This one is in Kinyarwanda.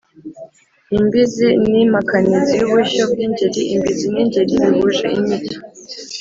imbizi: ni impakanizi y’ubushyo bw’ingeri imbizi n’ingeri bihuje inyito